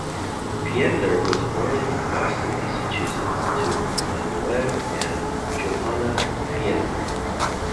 Fiedler was born in Boston, Massachusetts to Emanuel and Johanna Fiedler.